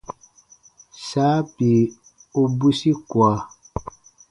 Saa bii u bwisi kua.